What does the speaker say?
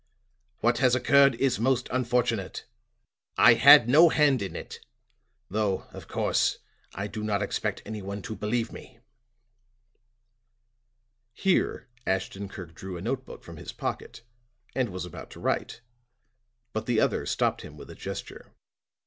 "What has occurred is most unfortunate. I had no hand in it, though, of course, I do not expect anyone to believe me." Here Ashton Kirk drew a note book from his pocket and was about to write, but the other stopped him with a gesture.